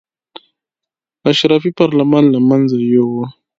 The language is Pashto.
اشرافي پارلمان له منځه یې یووړ.